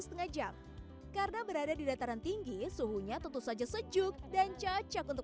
setengah jam karena berada di dataran tinggi suhunya tentu saja sejuk dan cocok untuk